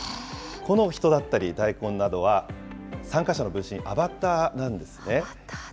この人だったり大根などは、参加者の分身、アバターなんですね。